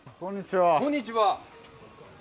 こんにちは。